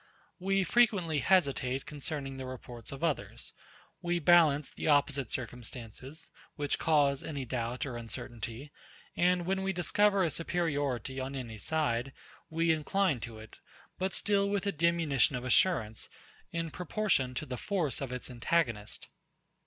We frequently hesitate concerning the reports of others. We balance the opposite circumstances, which cause any doubt or uncertainty; and when we discover a superiority on any side, we incline to it; but still with a diminution of assurance, in proportion to the force of its antagonist.